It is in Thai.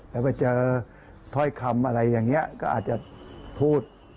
แล้วไปเจอถ้อยคำอะไรอย่างนี้ก็อาจจะพูด